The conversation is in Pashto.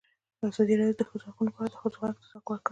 ازادي راډیو د د ښځو حقونه په اړه د ښځو غږ ته ځای ورکړی.